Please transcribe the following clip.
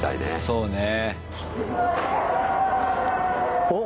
そうね。